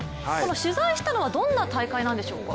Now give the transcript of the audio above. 取材したのはどんな大会なんでしょうか？